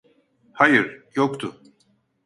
Hayır, yoktu.